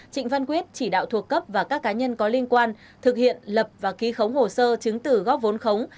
trịnh văn quyết chỉ đạo thuộc cấp và các cá nhân có liên quan thực hiện lập và ký khống hồ sơ chứng tử góp vốn khống